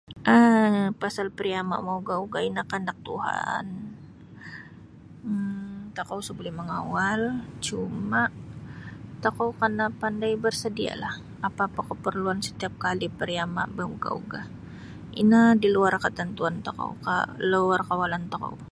um Pasal pariama maugah-ugah ino kehendak Tuhan um tokou isa buli mengawal cuma' tokou kena pandai bersedialah apa-apa keperluan setiap kali pariama baugah-ugah. Ino di luar ketentuan tokou ko luar kawalan tokou.